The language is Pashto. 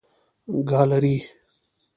ګالري